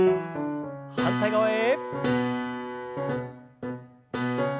反対側へ。